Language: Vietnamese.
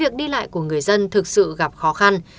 tại của người dân thực sự gặp khó khăn